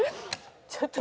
ちょっと。